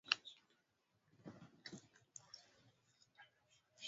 Wanyama hutoa harufu mbaya